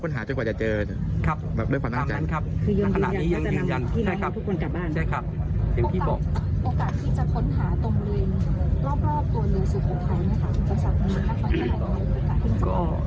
อุปสรรคในการค้นหายิ่งนานวันเข้าโอกาสที่จะค้นหาตรงเรือรอบรอบตัวเรือสุขของใครนะค่ะ